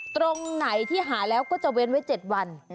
ตรงไหนที่หาแล้วก็จะเว้นไว้๗วัน